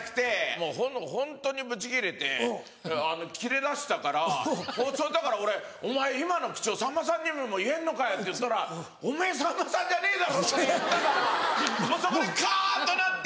もうホントにブチギレてキレだしたからだから俺「お前今の口調さんまさんにも言えんのかよ」って言ったら「おめぇさんまさんじゃねえだろ！」って言ったからもうそこでカっとなって。